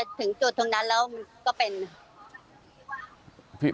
ถึงจุดตรงนั้นแล้วมันก็เป็น